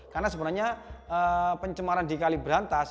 karena sebenarnya pencemaran dikali berantas